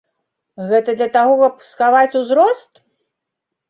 Гэта для таго, каб схаваць узрост?